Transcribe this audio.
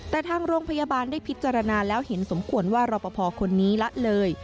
แต่ทางโรงพยาบาลได้พิจารณาแล้วเห็นสมควรว่ารอปภคนนี้ละเลย